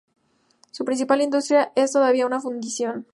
Su principal industria es todavía una fundición.